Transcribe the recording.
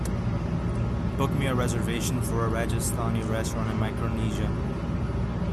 Book me a reservation for a rajasthani restaurant in Micronesia